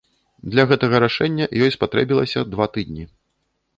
Для гэтага рашэння ёй спатрэбілася два тыдні.